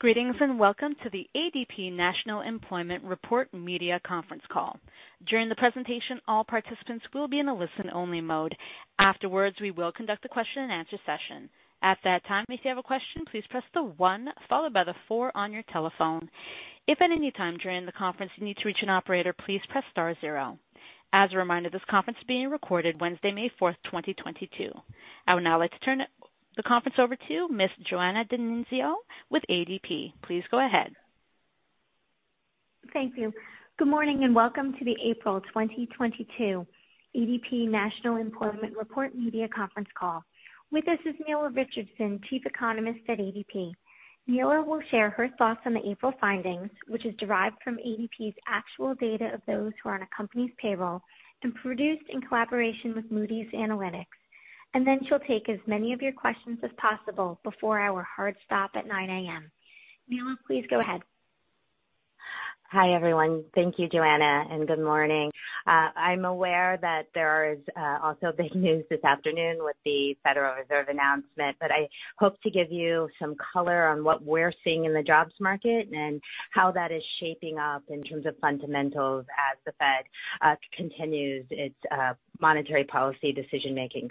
Greetings and welcome to the ADP National Employment Report Media Conference Call. During the presentation, all participants will be in a listen only mode. Afterwards, we will conduct a question and answer session. At that time, if you have a question, please press one followed by four on your telephone. If at any time during the conference you need to reach an operator, please press star zero. As a reminder, this conference is being recorded Wednesday, May 4, 2022. I would now like to turn the conference over to Ms. Joanna DiNizio with ADP. Please go ahead. Thank you. Good morning and welcome to the April 2022 ADP National Employment Report Media Conference Call. With us is Nela Richardson, Chief Economist at ADP. Nela will share her thoughts on the April findings, which is derived from ADP's actual data of those who are on a company's payroll and produced in collaboration with Moody's Analytics. She'll take as many of your questions as possible before our hard stop at 9:00 A.M. Nela, please go ahead. Hi, everyone. Thank you, Joanna, and good morning. I'm aware that there is also big news this afternoon with the Federal Reserve announcement, but I hope to give you some color on what we're seeing in the jobs market and how that is shaping up in terms of fundamentals as the Fed continues its monetary policy decision making.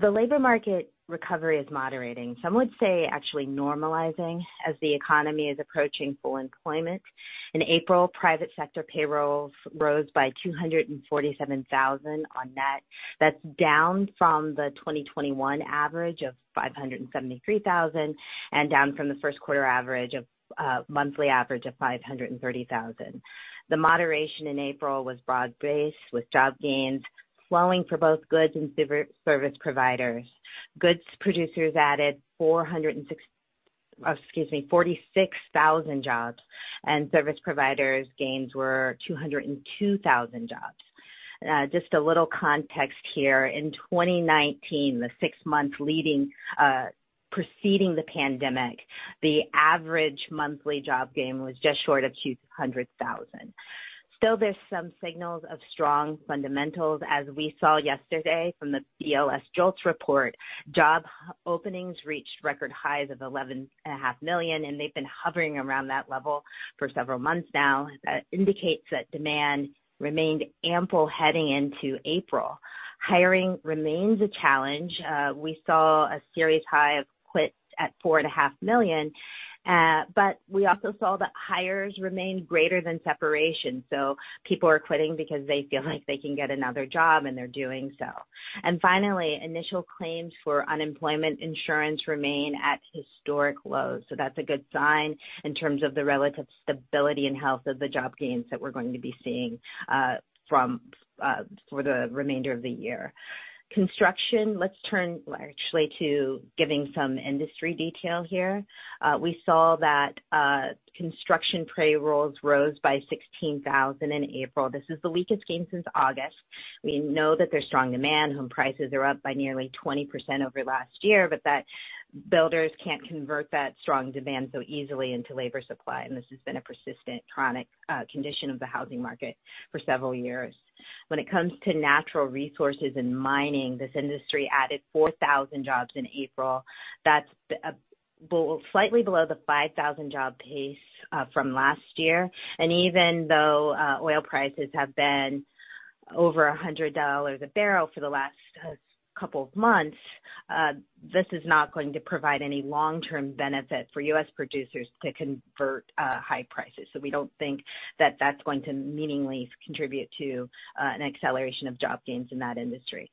The labor market recovery is moderating. Some would say actually normalizing as the economy is approaching full employment. In April, private sector payrolls rose by 247,000 on net. That's down from the 2021 average of 573,000 and down from the first quarter average of monthly average of 530,000. The moderation in April was broad-based, with job gains flowing for both goods and service providers. Goods producers added 46,000 jobs and service providers gains were 202,000 jobs. Just a little context here. In 2019, the six months leading, preceding the pandemic, the average monthly job gain was just short of 200,000. Still, there's some signals of strong fundamentals, as we saw yesterday from the BLS JOLTS report. Job openings reached record highs of 11.5 million, and they've been hovering around that level for several months now. That indicates that demand remained ample heading into April. Hiring remains a challenge. We saw a series high of quits at 4.5 million. But we also saw that hires remained greater than separations. People are quitting because they feel like they can get another job, and they're doing so. Finally, initial claims for unemployment insurance remain at historic lows, so that's a good sign in terms of the relative stability and health of the job gains that we're going to be seeing from for the remainder of the year. Construction. Let's turn actually to giving some industry detail here. We saw that construction payrolls rose by 16,000 in April. This is the weakest gain since August. We know that there's strong demand. Home prices are up by nearly 20% over last year, but that builders can't convert that strong demand so easily into labor supply. And this has been a persistent chronic condition of the housing market for several years. When it comes to natural resources and mining, this industry added 4,000 jobs in April. That's below, slightly below the 5,000 job pace from last year. Even though oil prices have been over $100 a barrel for the last couple of months, this is not going to provide any long-term benefit for U.S. producers to convert high prices. We don't think that that's going to meaningfully contribute to an acceleration of job gains in that industry.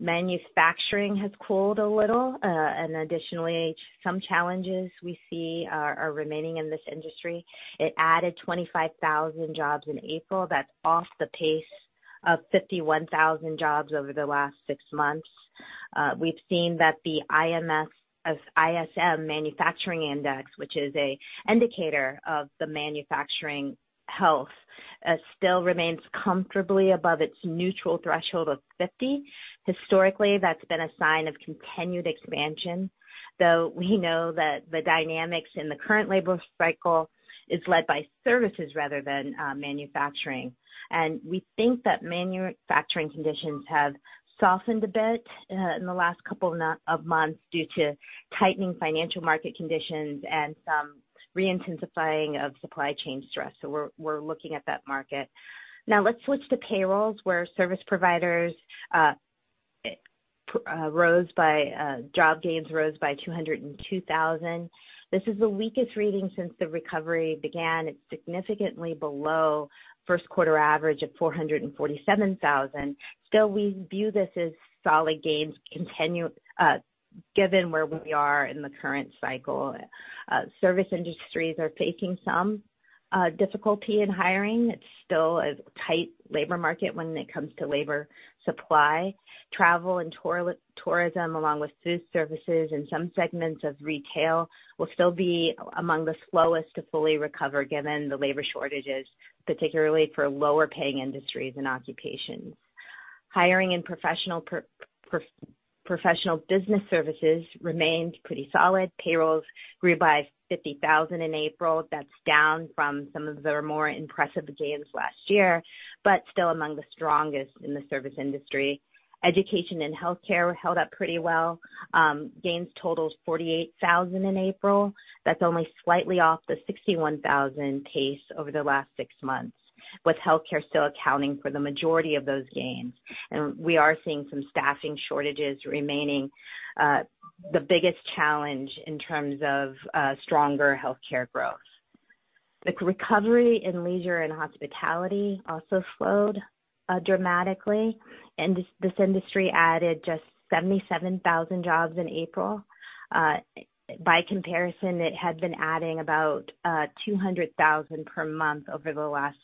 Manufacturing has cooled a little. Additionally, some challenges we see are remaining in this industry. It added 25,000 jobs in April. That's off the pace of 51,000 jobs over the last six months. We've seen that the ISM Manufacturing Index, which is a indicator of the manufacturing health, still remains comfortably above its neutral threshold of 50. Historically, that's been a sign of continued expansion, though we know that the dynamics in the current labor cycle is led by services rather than manufacturing. We think that manufacturing conditions have softened a bit in the last couple of months due to tightening financial market conditions and some re-intensifying of supply chain stress. We're looking at that market. Now let's switch to payrolls, where job gains rose by 202,000. This is the weakest reading since the recovery began. It's significantly below first quarter average of 447,000. Still, we view this as solid gains continue given where we are in the current cycle. Service industries are facing some difficulty in hiring. It's still a tight labor market when it comes to labor supply. Travel and tourism, along with food services and some segments of retail, will still be among the slowest to fully recover given the labor shortages, particularly for lower paying industries and occupations. Hiring in professional business services remained pretty solid. Payrolls grew by 50,000 in April. That's down from some of the more impressive gains last year, but still among the strongest in the service industry. Education and healthcare held up pretty well. Gains totaled 48,000 in April. That's only slightly off the 61,000 pace over the last six months, with healthcare still accounting for the majority of those gains. We are seeing some staffing shortages remaining, the biggest challenge in terms of stronger healthcare growth. The recovery in leisure and hospitality also slowed dramatically, and this industry added just 77,000 jobs in April. By comparison, it had been adding about 200,000 per month over the last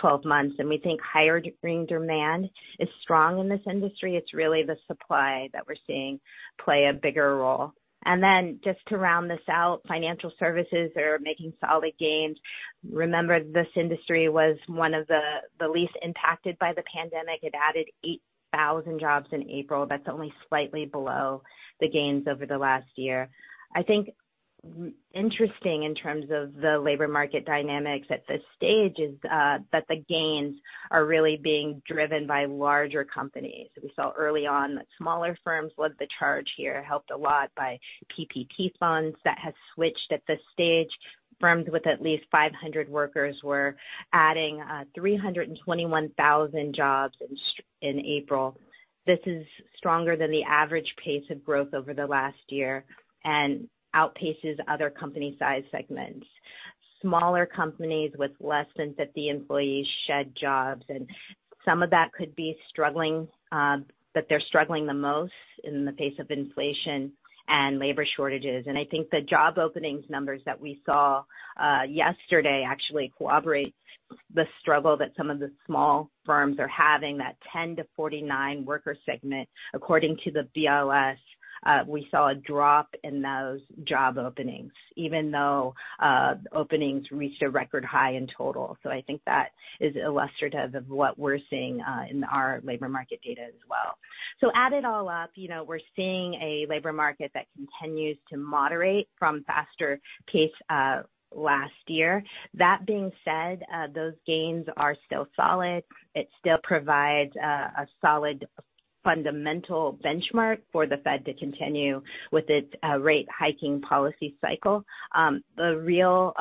12 months, and we think higher degree demand is strong in this industry. It's really the supply that we're seeing play a bigger role. Then just to round this out, financial services are making solid gains. Remember, this industry was one of the least impacted by the pandemic. It added 8,000 jobs in April. That's only slightly below the gains over the last year. I think interesting in terms of the labor market dynamics at this stage is that the gains are really being driven by larger companies. We saw early on that smaller firms led the charge here, helped a lot by PPP funds that have switched at this stage. Firms with at least 500 workers were adding 321,000 jobs in April. This is stronger than the average pace of growth over the last year and outpaces other company size segments. Smaller companies with less than 50 employees shed jobs, and some of that could be struggling, but they're struggling the most in the face of inflation and labor shortages. I think the job openings numbers that we saw yesterday actually corroborate the struggle that some of the small firms are having. That 10-49 worker segment, according to the BLS, we saw a drop in those job openings, even though openings reached a record high in total. I think that is illustrative of what we're seeing in our labor market data as well. Add it all up, you know, we're seeing a labor market that continues to moderate from faster pace last year. That being said, those gains are still solid. It still provides a solid fundamental benchmark for the Fed to continue with its rate hiking policy cycle. The real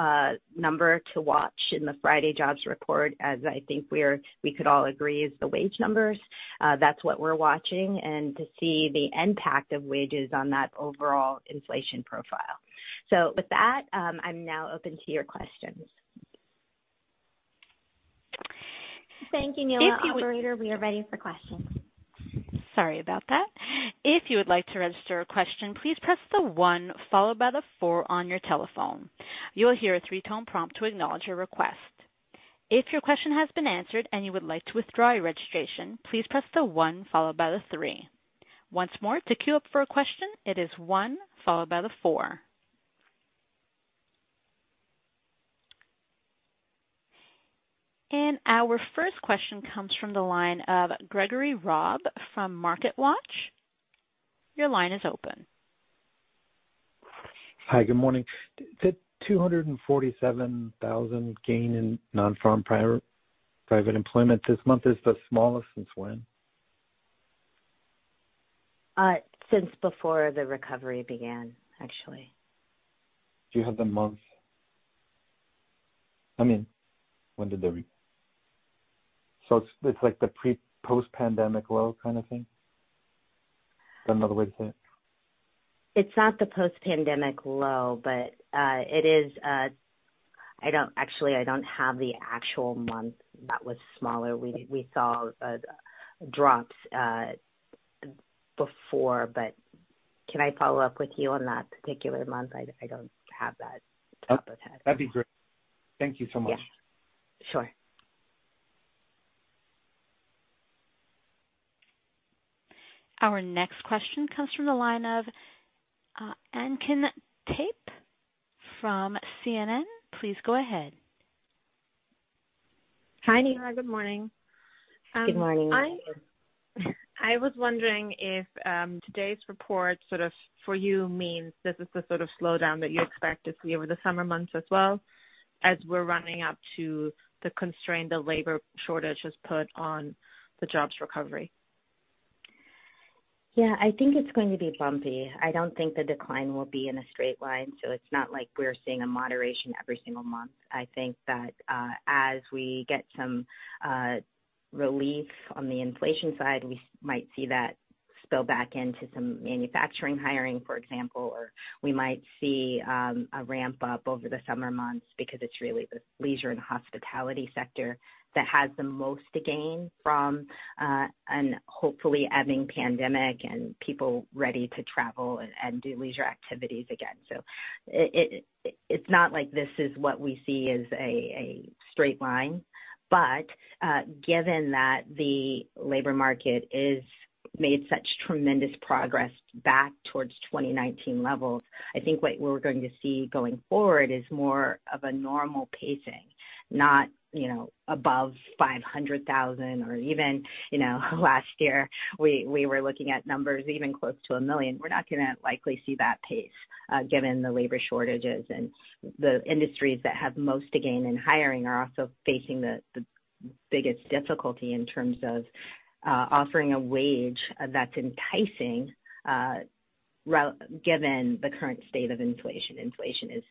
number to watch in the Friday jobs report, as I think we could all agree, is the wage numbers. That's what we're watching, and to see the impact of wages on that overall inflation profile. With that, I'm now open to your questions. Thank you, Nela. If you- Operator, we are ready for questions. Sorry about that. If you would like to register a question, please press the one followed by the four on your telephone. You will hear a three-tone prompt to acknowledge your request. If your question has been answered and you would like to withdraw your registration, please press the one followed by the three. Once more, to queue up for a question, it is one followed by the four. Our first question comes from the line of Gregory Robb from MarketWatch. Your line is open. Hi, good morning. The 247,000 gain in non-farm private employment this month is the smallest since when? Since before the recovery began, actually. Do you have the month? I mean, it's like the post-pandemic low kind of thing? Is that another way to say it? It's not the post-pandemic low, but it is. Actually, I don't have the actual month that was smaller. We saw drops before, but can I follow up with you on that particular month? I don't have that off the top of head. That'd be great. Thank you so much. Yeah, sure. Our next question comes from the line of Anneken Tappe from CNN. Please go ahead. Hi, Nela. Good morning. Good morning. I was wondering if today's report sort of for you means this is the sort of slowdown that you expect to see over the summer months as well as we're running up against the constraint the labor shortage has put on the jobs recovery? Yeah, I think it's going to be bumpy. I don't think the decline will be in a straight line, so it's not like we're seeing a moderation every single month. I think that as we get some relief on the inflation side, we might see that spill back into some manufacturing hiring, for example. Or we might see a ramp up over the summer months because it's really the leisure and hospitality sector that has the most to gain from a hopefully ebbing pandemic and people ready to travel and do leisure activities again. It's not like this is what we see as a straight line, but given that the labor market has made such tremendous progress back towards 2019 levels, I think what we're going to see going forward is more of a normal pacing, not, you know, above 500,000 or even, you know, last year we were looking at numbers even close to 1 million. We're not gonna likely see that pace, given the labor shortages. The industries that have most to gain in hiring are also facing the biggest difficulty in terms of offering a wage that's enticing, given the current state of inflation. Inflation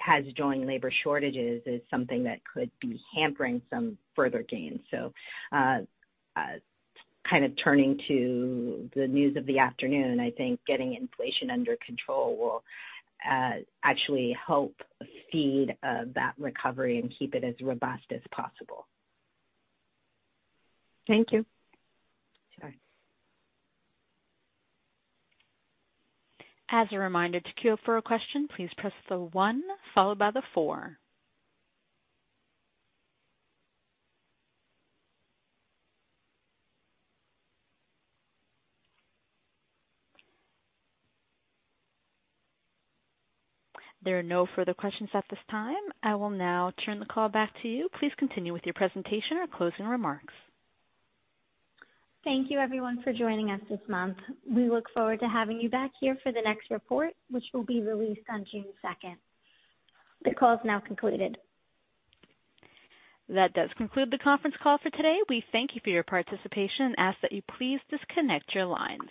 has joined labor shortages, is something that could be hampering some further gains. Kind of turning to the news of the afternoon, I think getting inflation under control will actually help feed that recovery and keep it as robust as possible. Thank you. Sure. As a reminder, to queue up for a question, please press the one followed by the four. There are no further questions at this time. I will now turn the call back to you. Please continue with your presentation or closing remarks. Thank you, everyone, for joining us this month. We look forward to having you back here for the next report, which will be released on June 2nd. The call is now concluded. That does conclude the conference call for today. We thank you for your participation and ask that you please disconnect your lines.